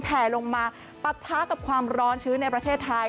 แผลลงมาปะทะกับความร้อนชื้นในประเทศไทย